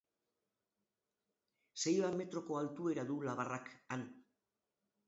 Sei bat metroko altuera du labarrak han.